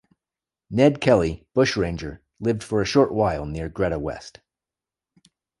Ned Kelly, bushranger, lived for a short while near Greta West.